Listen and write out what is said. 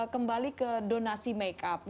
kembali ke donasi make up